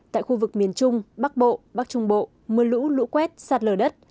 tại khu vực miền trung bắc bộ bắc trung bộ mưa lũ lũ quét sạt lở đất